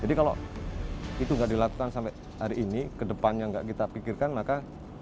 jadi kalau itu tidak dilakukan sampai hari ini ke depannya tidak kita pikirkan maka